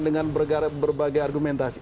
dengan berbagai argumentasi